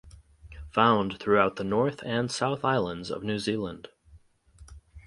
Found throughout the North and South Islands of New Zealand.